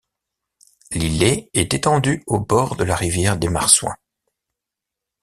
L'Îlet est étendu au bord de la Rivière des Marsouins.